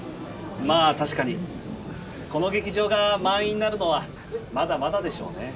まぁ確かにこの劇場が満員になるのはまだまだでしょうね